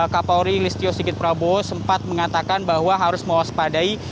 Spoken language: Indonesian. kapolri listio sigit prabowo sempat mengatakan bahwa harus mewaspadai